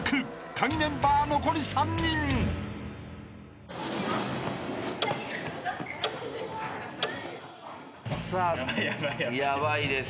［カギメンバー残り３人］さあヤバいです。